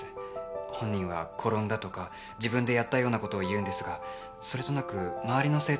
本人は転んだとか自分でやったようなことを言うんですがそれとなく周りの生徒に聞いてみたんです。